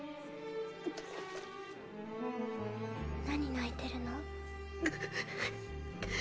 レイ：何泣いてるの？